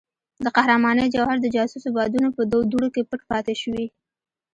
د قهرمانۍ جوهر د جاسوسو بادونو په دوړو کې پټ پاتې شوی.